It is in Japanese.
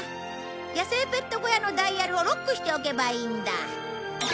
野生ペット小屋のダイヤルをロックしておけばいいんだ。